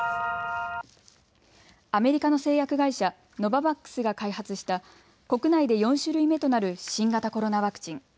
アメリカの製薬会社ノババックスが開発した国内で４種類目となる新型コロナワクチン。